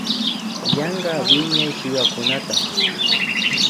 Yanka wiñay kiwakunata